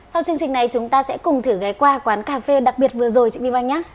sau chương trình này chúng ta sẽ cùng thử ghé qua quán cà phê đặc biệt vừa rồi chị vi văn nhé